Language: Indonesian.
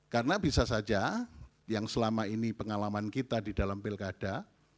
karena bisa saja yang selama ini pengalaman kita di dalam pilkada